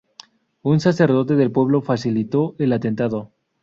Un sacerdote del pueblo facilitó el atentado.